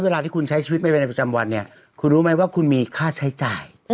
เวลาที่คุณใช้ชีวิตไม่เป็นในประจำวันเนี่ยคุณรู้ไหมว่าคุณมีค่าใช้จ่าย